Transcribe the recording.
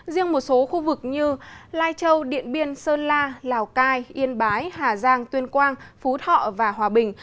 riêng một số khu vực như lai châu điện biên sơn la lào cai yên bái hà giang tuyên quang phú thọ và hòa bình